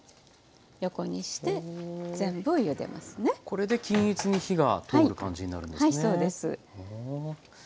これで均一に火が通る感じになるんですね。